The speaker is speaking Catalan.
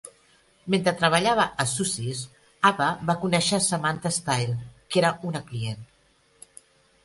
Mentre treballava a Suzy's, Ava va conèixer Samantha Style, que era una client.